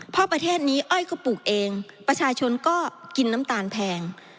เพราะประเทศนี้อ้อยก็ปลูกเองประชาชนก็กินน้ำตาลแพง